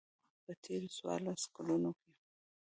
په تېرو څوارلسو کلونو کې.